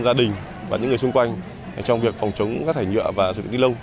gia đình và những người xung quanh trong việc phòng chống rác thải nhựa và sử dụng ni lông